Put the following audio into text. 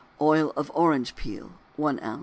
Oil of orange peel 1 oz.